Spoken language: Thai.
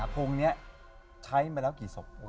พงนี้ใช้มาแล้วกี่ศพ